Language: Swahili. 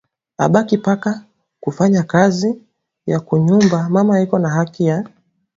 abaki paka ku fanya kazi ya ku nyumba mama eko na haki ya